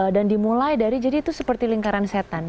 dan dimulai dari jadi itu seperti lingkaran setan